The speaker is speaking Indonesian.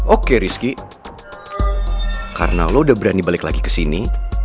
oke rizky karena lo udah berani balik lagi kesini